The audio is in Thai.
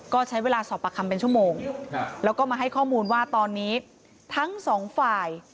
ก็ใช้เวลาสอบปากคำเป็นชั่วโมงแล้วก็มาให้ข้อมูลว่าตอนนี้ทั้งสองฝ่าย